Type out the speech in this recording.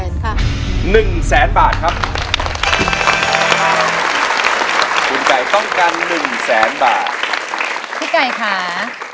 ๑แสนค่ะ๑แสนบาทครับคุณไก่ต้องการ๑แสนบาทพี่ไก่ค่ะ